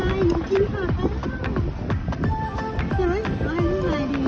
มากินก็ได้มากินก็ได้ดูไหมนายกินให้ดูหน่อย